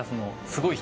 すごい！